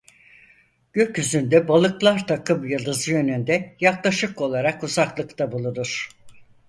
Gökyüzünde Balıklar takımyıldızı yönünde yaklaşık olarak uzaklıkta bulunur.